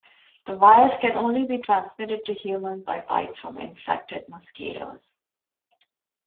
The virus can only be transmitted to humans by bites from infected mosquitoes.